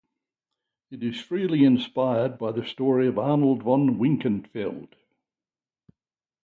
It is freely inspired by the story of Arnold von Winkelried.